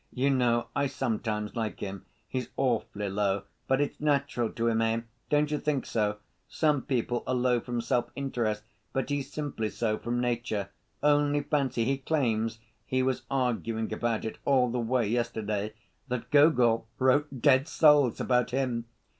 You know, I sometimes like him. He's awfully low, but it's natural to him, eh? Don't you think so? Some people are low from self‐ interest, but he's simply so, from nature. Only fancy, he claims (he was arguing about it all the way yesterday) that Gogol wrote Dead Souls about him.